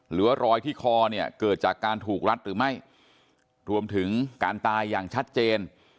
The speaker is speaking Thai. หรือว่ารอยที่คอเนี่ยเกิดจากการถูกรัดหรือไม่รวมถึงการตายอย่างชัดเจน